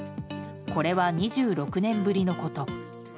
これは２６年ぶりのこと。